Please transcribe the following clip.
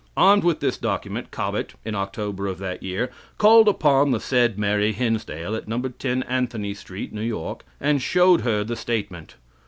Armed with this document, Cobbett, in October of that year, called upon the said Mary Hinsdale, at No. 10 Anthony Street, New York, and showed her the statement.